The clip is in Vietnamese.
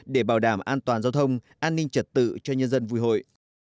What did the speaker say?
để bảo đảm an toàn giao thông an ninh trật tự cho nhân dân vui hội